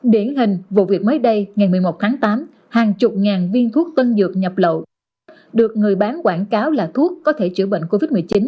điển hình vụ việc mới đây ngày một mươi một tháng tám hàng chục ngàn viên thuốc tân dược nhập lậu được người bán quảng cáo là thuốc có thể chữa bệnh covid một mươi chín